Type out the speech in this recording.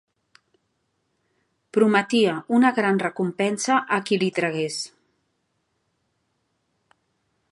Prometia una gran recompensa a qui li tragués.